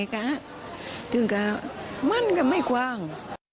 จึงมันก็ไม่กว้าง